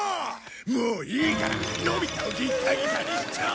もういいからのび太をギッタギタにしちゃおうぜ！